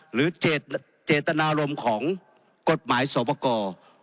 หรือเจตตนาลมของกฎหมายส่วนประกอบ